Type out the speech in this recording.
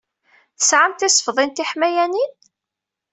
Tesɛam tisefḍin tiḥmayanin?